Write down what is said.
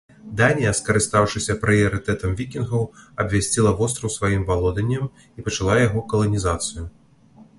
Данія, скарыстаўшыся прыярытэтам вікінгаў, абвясціла востраў сваім валоданнем і пачала яго каланізацыю.